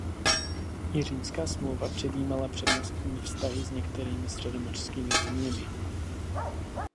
I Římská smlouva předjímala přednostní vztahy s některými středomořskými zeměmi.